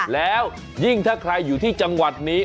แล้วยิ่งถ้าใครอยู่ที่จังหวัดนี้